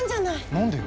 何でよ？